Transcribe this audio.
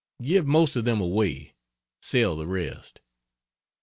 Give most of them away, sell the rest.